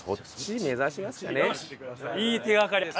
いい手掛かりです。